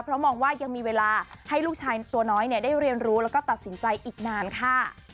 เพราะมองว่ายังมีเวลาให้ลูกชายตัวน้อยได้เรียนรู้แล้วก็ตัดสินใจอีกนานค่ะ